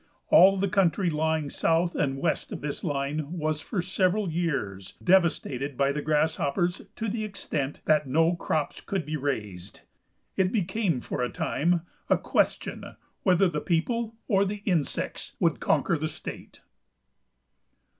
All the country lying south and west of this line was for several years devastated by the grasshoppers to the extent that no crops could be raised. It became for a time a question whether the people or the insects would conquer the state.